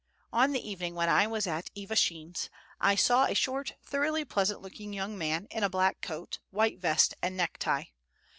One evening when I was at Ivashin's, I saw a short, thoroughly pleasant looking young man, in a black coat, white vest and necktie.